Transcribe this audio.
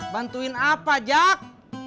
bantuin apa jak